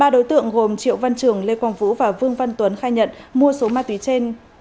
ba đối tượng gồm triệu văn trường lê quang vũ và vương văn tuấn khai nhận mua số ma túy trên